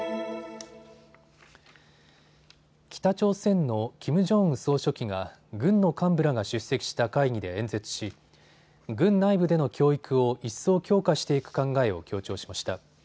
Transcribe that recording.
北朝鮮のキム・ジョンウン総書記が軍の幹部らが出席した会議で演説し軍内部での教育を一層強化していく考えを強調しました。